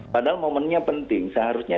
padahal momennya penting seharusnya